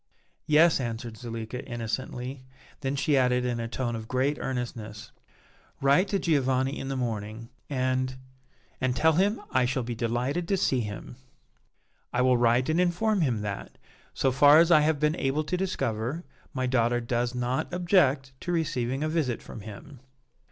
"Yes," answered Zuleika, innocently; then she added in a tone of great earnestness: "Write to Giovanni in the morning, and and tell him I shall be delighted to see him." "I will write and inform him that, so far as I have been able to discover, my daughter does not object to receiving a visit from him."